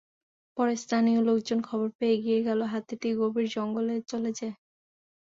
পরে স্থানীয় লোকজন খবর পেয়ে এগিয়ে গেলে হাতিটি গভীর জঙ্গলে চলে যায়।